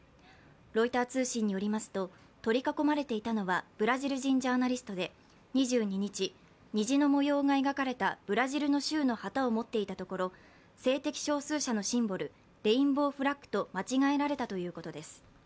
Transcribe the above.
ロイター通信によりますと取り囲まれていたのはブラジル人ジャーナリストで、２２日、虹の模様が描かれたブラジルの州の旗を持っていたところ性的少数者のシンボル・レインボーフラッグと間違えられたということです。